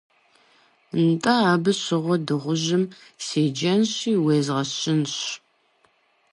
НтӀэ, абы щыгъуэ дыгъужьым седжэнщи, уезгъэшъынщ.